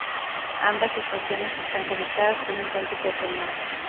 Ambas estaciones están conectadas por un puente peatonal.